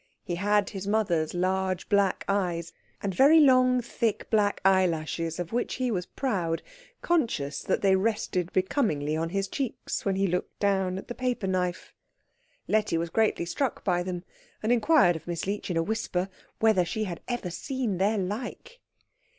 He had his mother's large black eyes, and very long thick black eyelashes of which he was proud, conscious that they rested becomingly on his cheeks when he looked down at the paper knife. Letty was greatly struck by them, and inquired of Miss Leech in a whisper whether she had ever seen their like.